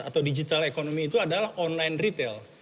atau digital economy itu adalah online retail